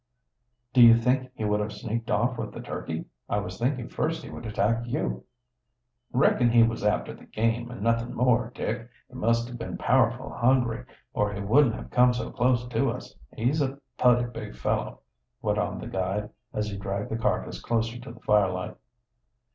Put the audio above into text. "Do you think he would have sneaked off with the turkey? I was thinking first he would attack you." "Reckon he was after the game, and nuthin' more, Dick. He must have been powerful hungry, or he wouldn't have come so close to us. He's a putty big fellow," went on the guide, as he dragged the carcass closer to the firelight.